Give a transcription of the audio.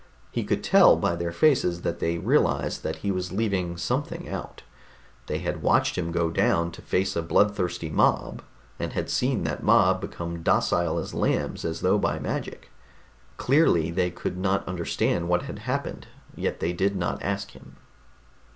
He could tell by their faces that they realized that he was leaving something out; they had watched him go down to face a blood thirsty mob, and had seen that mob become docile as lambs as though by magic. Clearly they could not understand what had happened, yet they did not ask him.